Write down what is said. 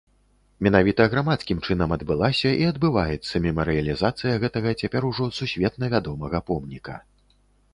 Менавіта грамадскім чынам адбылася і адбываецца мемарыялізацыя гэтага цяпер ужо сусветна вядомага помніка.